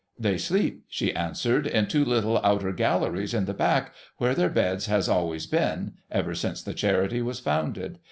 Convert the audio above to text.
' They sleep,' she answered, ' in two little outer galleries at the back, where their beds has always been, ever since the Charity was founded.